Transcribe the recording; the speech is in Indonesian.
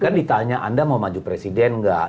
kan ditanya anda mau maju presiden nggak